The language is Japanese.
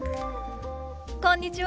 こんにちは。